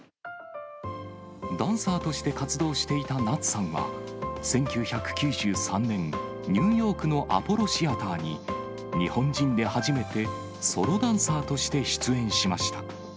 ダンサーとして活動していた夏さんは、１９９３年、ニューヨークのアポロシアターに、日本人で初めてソロダンサーとして出演しました。